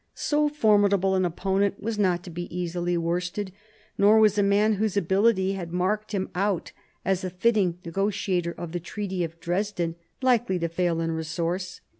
So formidable an opponent was not to be easily worsted, nor was a man whose ability had marked him out as the fitting negotiator of the Treaty of Dresden likely to fail in resource.